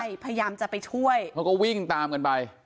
ใช่พยายามจะไปช่วยเขาก็วิ่งตามกันไป